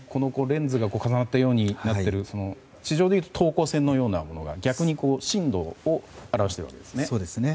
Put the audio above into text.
レンズが重なったようになっている地上でいうと等高線のようなものが逆に深度を表しているんですね。